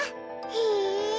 へえ！